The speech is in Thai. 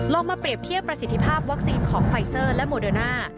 มาเปรียบเทียบประสิทธิภาพวัคซีนของไฟเซอร์และโมเดอร์น่า